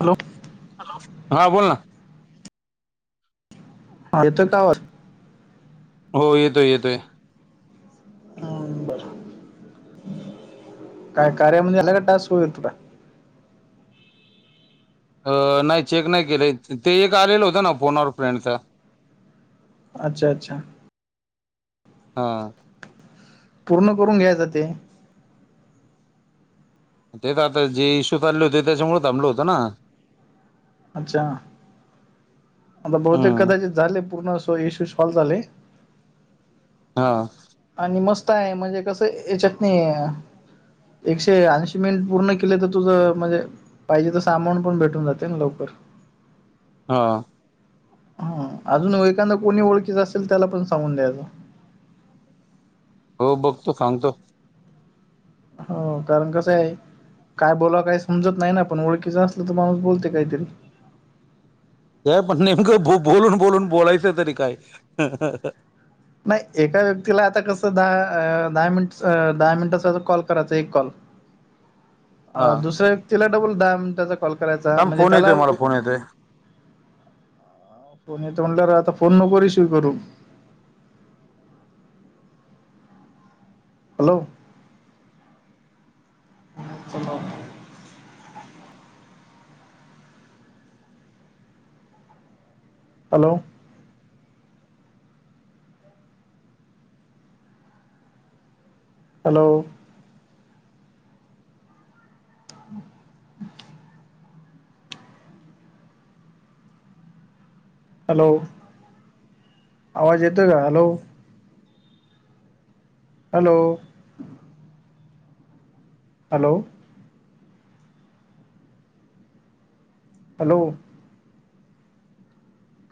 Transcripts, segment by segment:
Hello. हा बोल ना. येतो का आवाज? हो येतोय येतोय. म्ह, बर. काय कार्या मध्ये नेला का टास्क सुरू होईल तुला. अं.. नाही चेक नाही केले ते, एक आलेलं होतं ना फोन अ फ्रेंड चा. अच्छा अच्छा. हा. पूर्ण करून घ्यायचं ते. तेचआता जे इशू चालले होते, त्याच्यामुळं थांबल होतं ना. अच्छा, आता बहुतेक हम्म कदाचित झाले पूर्ण, सो इश्यू सॉल्व झाले. हां. आणि मस्त हाय म्हणजे कसं याच्यात नी एकशे ऐंशी मिनिट पूर्ण केले तर तुझं म्हणजे पाहिजे तसं अमाऊंट पण भेटून जाते ना लवकर. हा. हा अजून व एखांदा कोणी ओळखीच असेल त्याला पण सांगून द्यायचं. हो बघतो सांगतो. हो, कारण कसं आहे. काय बोलावं काही समजत नाही ना, पण ओळखीचं असलं तर माणूस बोलतय काहीतरी. हे पण नेमकं बोलून बोलून बोलायचं तरी काय? [unintelligible] नाही एका व्यक्तीला आता कसं दहा अ दहा मिन्ट्स दहा मिनिटचा कॉल करायचा एक कॉल. अ दुसऱ्या व्यक्तीला डबल दान त्याचा कॉल करायचा म्हणजे त्याला अ माहित रे फोन येतो म्हणल्यावर आता फोन नको रिसिव्ह करू. हॅलो. हॅलो. हॅलो. [inaudible] हॅलो आवाज येतो का हॅलो. Hello hello, hello.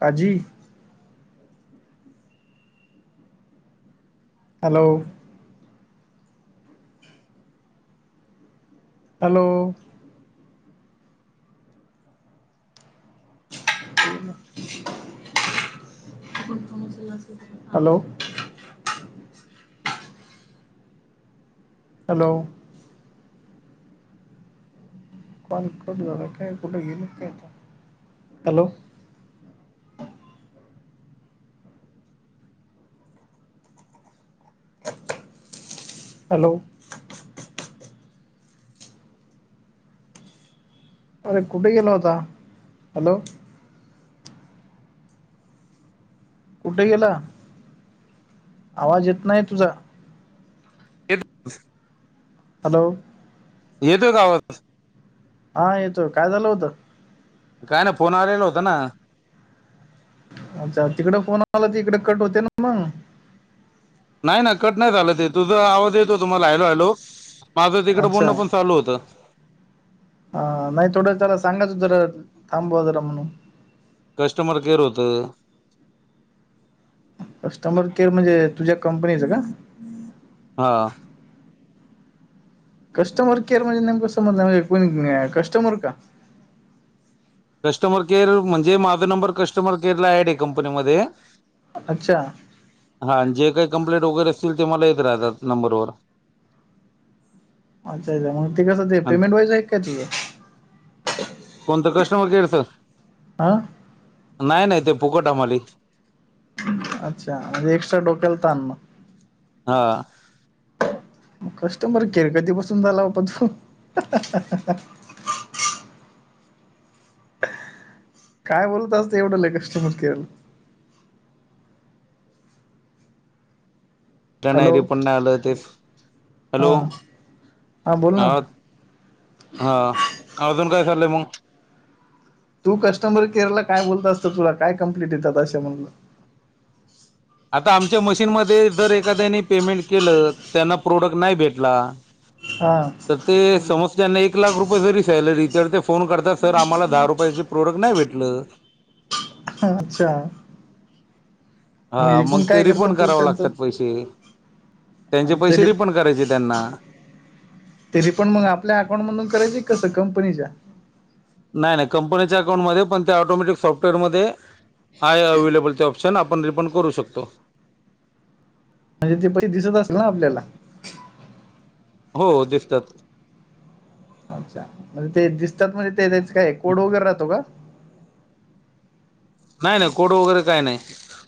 काजी hello. Hello. [unintelligible] Hello. Hello. Call cut झाला काय कुठे गेले काय आता हॅलो. हॅलो. अरे कुठे गेला होता, हॅलो. कुठे गेला आवाज येत नाही तुझा. [unintelligible] हॅलो. येतोय का आवाज. हां येतोय, काय झालं होतं. काय नाय, फोन आलेला होता ना. अच्छा तिकडे फोन आला की इकडे कट होते ना मग. नाही नाही कट नाही झालं ते, तुझा आवाज येत होता मला हॅलो हॅलो. माझं तिकडं अच्छा बोलण पण चालू होतं. हा नाही थोडं त्याला सांगायचं जरा थांबवा जरा म्हणून. कस्टमर केअर होतं. कस्टमर केअर म्हणजे तुझ्या कंपनीचं का? हां. कस्टमर केअर म्हणजे नेमकं समजलं [unintelligible] कस्टमर का? कस्टमर केअर म्हणजे माझं नंबर कस्टमर केअर ला ऍड आहे कंपनीमध्ये अच्छा हा आणि जे काही कम्पलेट वगैरे असतील ते मला येत राहतात नंबर वर. अच्छा अच्छा मग ते कसं ते आणि पेमेंट वाईज आहे का ते? कोणता कस्टमर केअरचा? आं.. नाही नाही ते फुकट आम्हाले. अच्छा म्हणजे, एक्स्ट्रा डोक्याल ताण मग. हा. कस्टमर केअर कधीपासून झाला, बाबा तो हा हा हा. काय बोलत असते एवढं लगेच [unintelligible] त्या नाय रे हॅलो पण नाही आलं होतेच हॅलो हां हा बोल ना आवत हा.. अजून काय चालय मगं. तू कस्टमर केअर ला काय बोलत असत, तुला काय कम्प्लेट येत असतं म्हणल. आता आमच्या मशीनमध्ये जर एखाद्या ने पेमेंट केलं त्यांना प्रोडक्ट नाही भेटला हां.. ते समज त्यांना एक लाख रुपये जरी सॅलरी तर ते, फोन करतात सर, आम्हाला दहा रुपयाचे प्रोडक्ट नाय भेटलं अच्छा, हां.. एकूण मग ते, काय करतो रिफंड तू करावे त्यांचं लागतात पैसे. त्यांचे पैसे तरी रिफंड करायचे त्यांना. ते रीफंड मग आपल्या अकाउंट मधून करायची कसं? कंपनीच्या नाय नाय कंपनीच्या अकाउंटमध्ये पण ते, ऑटोमॅटिक सॉफ्टवेअरमध्ये. हाय अवेलेबल तो ऑप्शन आपण रिफंड करू शकतो. म्हणजे ती बाई दिसत असल ना आपल्याला? हो दिसत्यात. अच्छा म्हणजे ते दिसतात म्हणजे ते त्याच काय कोड वगैरे राहतो का? नाही नाही कोड वगैरे काय नाही.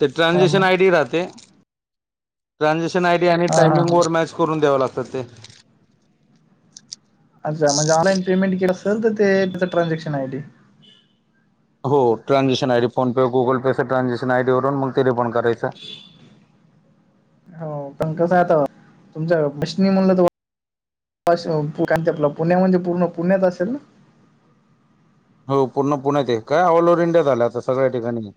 ते हा ट्रान्झॅक्शन मग आय डी राहते ट्रान्झॅक्शन आय डी. ते आणि, हा हा हा टाइमिंगवर मॅच करून द्याव लागतात ते. अच्छा म्हणजे ऑनलाईन पेमेंट केलं, असेल ते त्याच ट्रान्झॅक्शनय आयडी. हो ट्रान्झॅक्शन आयडी फोन पे, गुगल पे, कस ट्रान्झॅक्शन आयडीवरून मग ते रिफंड करायचं. हो पण कसं आहे आता तुमच्या मशनी म्हणलं तर असं कारण ते आपलं पुण्या, म्हणजे पूर्ण पुण्यात असेल ना. हो पूर्ण पुण्यात आहे काय ऑलओव्हर इंडियात आलं आता सगळ्या ठिकाणी.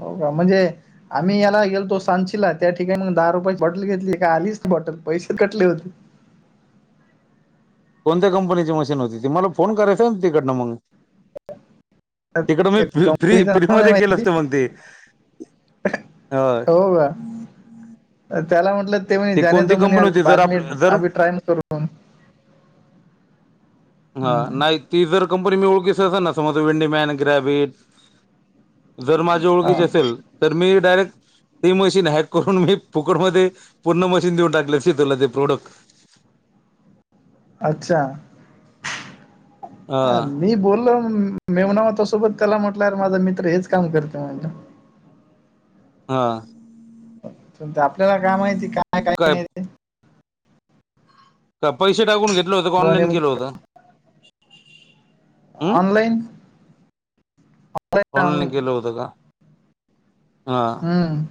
हो का म्हणजे, आम्ही याला गेलो सांचीला त्या ठिकाणी मग, दहा रुपयाची बॉटल घेतली का आलीच नाही बॉटल पैसे कटले होते. कोणत्या कंपनीची मशीन होती, ती मला फोन करायचं ना तिकडनं मगं. तर तिकडं मी ते फ्री, कंपनीचं फ्री नाव नाही मध्ये केले माहिती असते म्हणते. हो का, त्याला म्हंटलं. ते ती कोणती कंपनी होती जर आप जर म्हने [unintelligible] हा नाही ती जर कंपनी मी ओळखीच असेल, ना समज विंडीमॅन ग्रॅबिट. जर माझ्या ओळखीच हा असेल तर मी डायरेक्ट ते मशीन हॅक करून मी फुकट मध्ये पूर्ण मशीन, देऊन टाकली असती त तुला ते प्रोडक्ट. अच्छा, हा मी बोललो म्हणू मेव्हणा होता सोबत त्याला म्हटलं, अरे माझा मित्र हेच काम करतो म्हटलं. हां. आपल्याला काय माहिती काय आहे काय नाही. ते का पैसे टाकून घेतलं होत का? म्हणे ऑनलाईन केलं मग होतं. हम् ऑनलाईन. ऑनलाईन केलं होत का? हा. हं.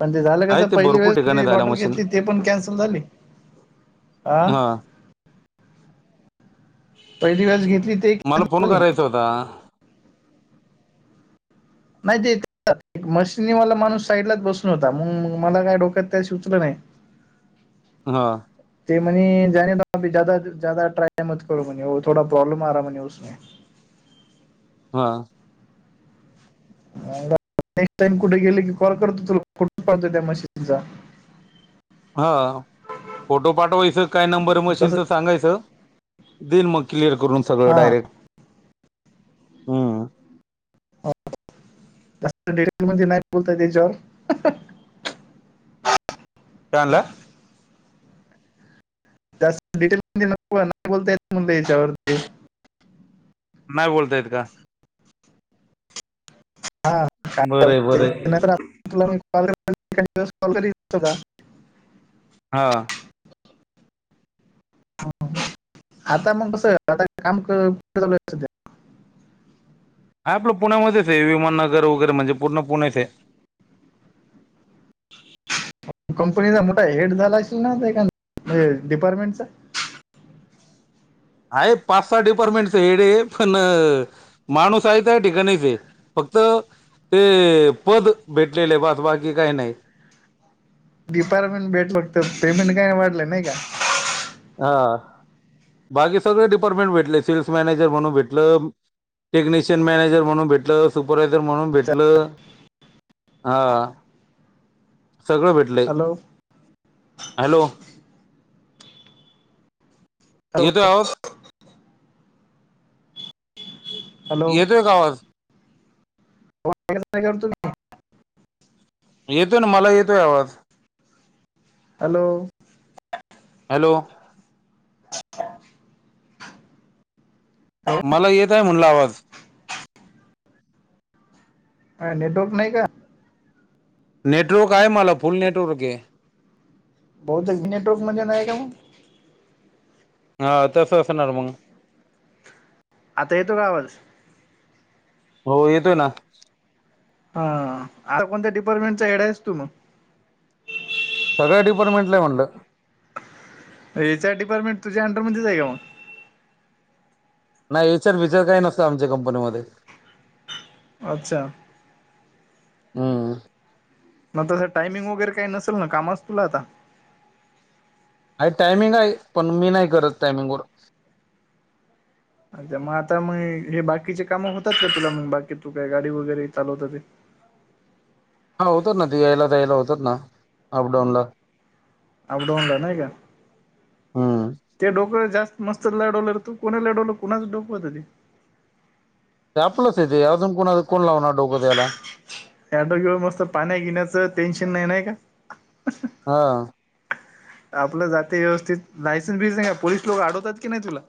पण ते झालं आहे कसं ते पहिली भरपूर वेळेस ठिकाणी जी, झाल्या बॉटल मशीन घेतली ते पण कॅन्सल झाली. आ.. हा पहिली मला [unintelligible] [unintelligible] नाही ते मशिनीवाला माणूस साईडलाच बसून होता. मग मला काय डोक्यात काय सुचलं नाही. [inaudible] हां. [unintelligible] हां. [unintelligible] प नेक्स्ट टाईम कुठे गेलो की कॉल करतो, तुला फोटो टाकतो त्या मशीनचा. हा. फोटो पाठवायचं, काय नंबर आहे तसं मशीनचं सांगायचं. दिल मग क्लियर करून सगळं हा डायरेक्ट. हम्म जास्त डिटेल मध्ये नाई बोलता येत याच्यावर. काय म्हणला? जास्त डिटेल न नाही बोलता येत मनल याच्यावरती. [unintelligible] नाही बोलता ‌येत का? बरं आहे बरं आहे [unintelligible] हा. आता मग कसं आता काम कसं चालू सध्या? [unintelligible] हा आपलं पुण्यामध्येच आहे. विमाननगर वगैरे म्हणजे पूर्ण पुण्यात आहे. कंपनीचा मोठा हेड झाला असेल ना ते म्हणजे डिपार्टमेंटचा? हाय पाच सहा डिपार्टमेंटच हेड आहे, पण माणूस हाय त्या ठिकाणीच आहे. फक्त ते पद भेटलेलं आहे, बास बाकी काय नाही. डिपार्टमेंट भेटलं फक्त पेमेंट काई‌ वाढला नई का. हा. बाकी सगळे डिपार्टमेंट भेटले. सेल्स मॅनेजर म्हणून भेटलं. टेक्निशियन मॅनेजर म्हणून भेटलं सुपरवायझर म्हणून अच्छा. भेटलं हा. सगळं भेटलंय. Hello hello. हॅलो येतोय आवाज? हॅलो येतोय का आवाज? [unintelligible] येतोय ना मला येतोय आवाज. हॅलो. हॅलो. [unintelligible] मला येत आहे म्हणला आवाज. काय नेटवर्क नाही का? नेटवर्क आहे मला फुल नेटवर्क आहे. बहुतेक ‌नेटवर्कमध्ये नाही का मग? हा तसं असणार मग. आता येतोय का आवाज? होय येतोय ना. हा. आर कोणत्या डिपार्टमेंटचा हेड आहेस तु मग? सगळं डिपार्टमेंटचा आहे म्हटलं. एच आर डिपार्टमेंट तुझ्या अंडरमध्येच हाय का म‌ग? नाई एचआर बिचार काय नसतंय आमच्या कंपनीमध्ये. अच्छा. हम्म मग तसं टायमिंग वगैरे काही नसेल ना कामाच तुला आता? आहे टाइमिंग आहे, पण मी नाय करत टायमिंगवर. अच्छा आता म हे बाकीचे काम होतात का तुला‌ म बाकी तू काय गाडी वगैरे ‌ चालवतो ते. हा होतात ना ते यायला जायला होतात ना अब डाऊन ला. अप डाऊनला नाय का. हम्म ते डोक जास्त मस्त लढवलं र तू. कुणी लढवलं, कुणाच डोकं होतं ते? ते आपलंच आहे ते. अजून कोणाचं कोण लावणार डोकं त्याला. ह्या [unintelligible] मस्त पाण्या गिण्याचं टेन्शन नाही नाही का? हा. आपलं जातंय व्यवस्थित. लायसन बीसन हाय पोलीस लोक अडवतात की नाही तुला?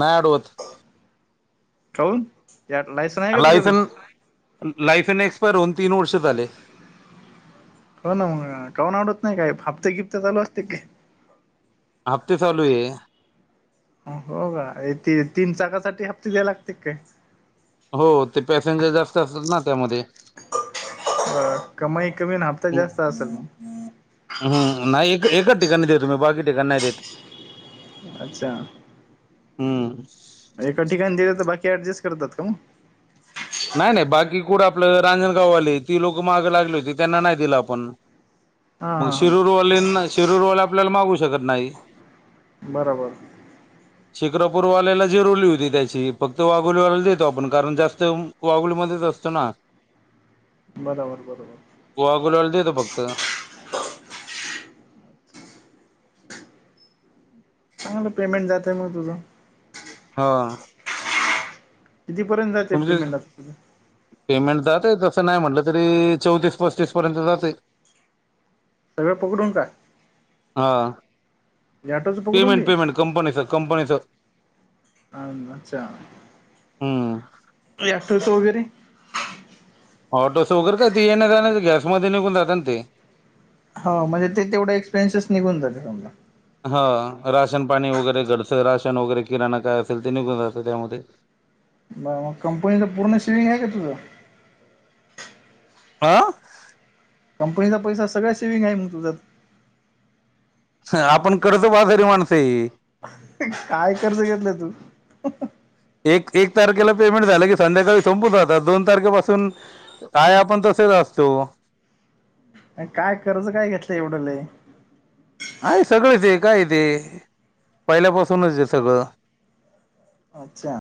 नाय आठवत. काऊन? यार लायसन हाय का ‌तुझ्या‌पशी? लायसन लायसन एक्सपायर होऊन तीन वर्षे झाले. हो ना मग, काऊन आवडत नाही काय? हाप्ते घिफ्ते चालू असते की काय? हफ्ते चालू आहे. हो का ते तीन चाकासाठी हप्ते द्याय लागते का काय? हो ते पॅसेंजर जास्त असतात ना त्यामध्ये. अ कमाई कमी अन् हप्ता जास्त असल मग. हम्म नाही एका एकाच ठिकाणी देतो मी, बाकी ठिकाणी नाही देतं. अच्छा. हम्म. एका ठिकाणी दिले तर, बाकी ऍडजस्ट करतात का मग? नाही नाही बाकी कुठं आपलं रांजणगाववाले ती लोक मागं लागली होती त्यांना नाही दिलं आपण. हा मग हा हा शिरूरवालींना शिरूरवाले आपल्याला मागू शकत नाही. बराबर. शिक्रापूरवाल्याला जिरवली होती त्याची. फक्त वाघोलीवाल्याला देतो आपण, कारण जास्त वाघुलीमध्येच असतो ना. बरोबर बरोबर. गोवा गुलाला देतो फक्त. चांगलं पेमेंट जातय मग तुझं. हो. कितीपर्यंत जाते तुमचे पेमेंट आता तुझं? पेमेंट जातंय तसं नाही म्हटलं तरी, चौतीस पस्तीस पर्यंत जातंय. सगळं पकडून का? हा. याटोचं पकडून पेमेंट दे पेमेंट कंपनीच कंपनीच. हम्म या आठवतो वगैरे. ऑटोस वगैर काय ती येण्या जाण्यात गॅसमध्ये निघून जात ना ते. हा म्हणजे ते तेवढे एक्सपेन्सेस निघून जाते समजा. हा राशन पाणी वगैरे, घरच राशन वगैरे, किराणा काय असेल ते निघून जातं त्यामध्ये. मग कंपनीच पूर्ण सेव्हिंग आहे का तुझं? आ? कंपनीचा पैसा सगळ्या सेव्हिंग आहे मग तुझाच. हं आपण कर्ज बाजारी माणुस आहे. काय कर्ज घेतलं तू? एक एक तारखेला पेमेंट झालं की संध्याकाळी संपून जातात. दोन तारखेपासून काय आपण तसेच असतो. काय कर्ज काय घेतलंय एवढं लई? आहे सगळं ते काय ते पहिल्यापासूनच आहे सगळं. अच्छा.